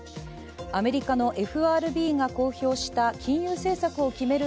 アメリカのＦＲＢが公表した金融政策を決める